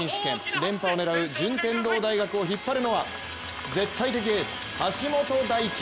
連覇を狙う順天堂大学を引っ張るのは絶対的エース、橋本大輝。